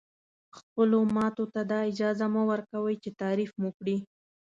خپلو ماتو ته دا اجازه مه ورکوئ چې تعریف مو کړي.